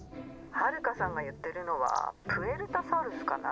☎ハルカさんが言ってるのはプエルタサウルスかな？